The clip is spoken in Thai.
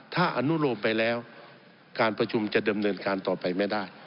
ถ้าอนุโลมไปแล้วการประชุมจะดำเนินการต่อไปไม่ได้